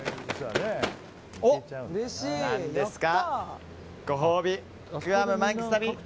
お、何ですか？